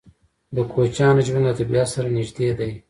د کوچیانو ژوند له طبیعت سره نږدې دی.